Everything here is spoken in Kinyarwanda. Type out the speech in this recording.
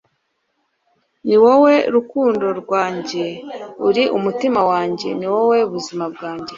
Ni wowe rukundo rwanjye, uri umutima wanjye ni nawe buzima bwanjye